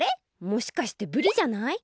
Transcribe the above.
もしかして鰤じゃない？